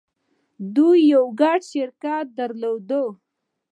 دوی يو ګډ شرکت درلود.